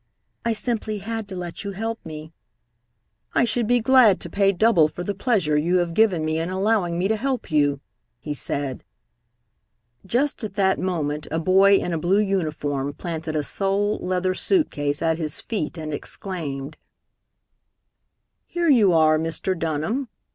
"I simply had to let you help me." "I should be glad to pay double for the pleasure you have given me in allowing me to help you," he said. Just at that moment a boy in a blue uniform planted a sole leather suit case at his feet, and exclaimed: "Here you are, Mr. Dunham.